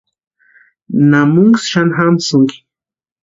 ¿Namunksï xani jamsïnki?